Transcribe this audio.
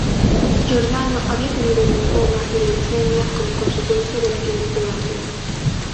Giordano había tenido linfoma y leucemia como consecuencia de la quimioterapia.